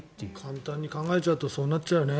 簡単に考えちゃうとそうなっちゃうよね。